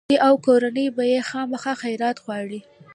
دوی او کورنۍ به یې خامخا خیرات غواړي.